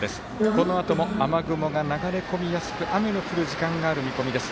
このあとも雨雲が流れやすく雨の降る時間がある見込みです。